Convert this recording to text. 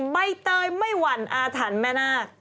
ใบเตยไม่หวั่นอาถรรพ์แม่นาค